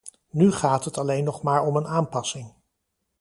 Nu gaat het alleen nog maar om een aanpassing.